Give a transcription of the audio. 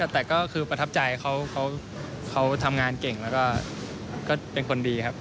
แต่ก็คือประทับใจเขาทำงานเก่งแล้วก็เป็นคนดีครับ